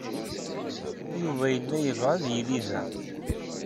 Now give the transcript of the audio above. Yuba yella yebɣa ad yili da.